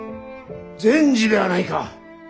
善児ではないか。